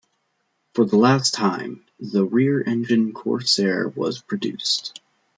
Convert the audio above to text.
For the last time, the rear-engine Corsair was produced.